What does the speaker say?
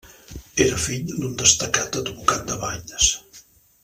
Era fill d'un destacat advocat de Valls.